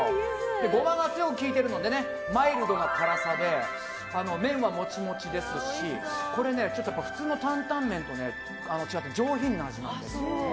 ゴマが効いているのでマイルドな辛さで麺はモチモチですしちょっと普通の担々麺と違って上品な味なんですよね。